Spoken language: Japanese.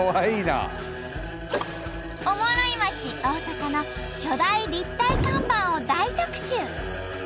おもろい街大阪の巨大立体看板を大特集！